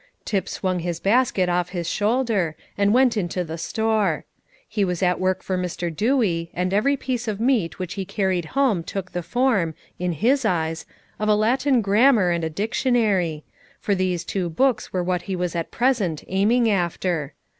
Tip swung his basket off his shoulder, and went into the store. He was at work for Mr. Dewey, and every piece of meat which he carried home took the form, in his eyes, of a Latin grammar and a dictionary; for these two books were what he was at present aiming after.